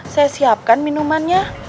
dan gac persulutan